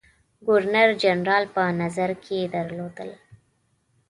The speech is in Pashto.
ګورنر جنرال په نظر کې درلودل.